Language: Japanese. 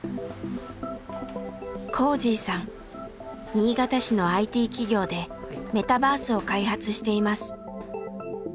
新潟市のＩＴ企業でメタバースを開発しています。